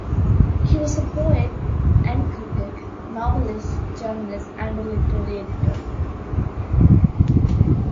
He was a poet and critic, novelist, journalist and literary editor.